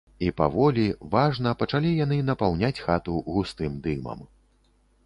І паволі, важна пачалі яны напаўняць хату густым дымам.